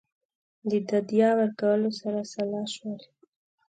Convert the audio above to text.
د دیه ورکولو سره سلا شول.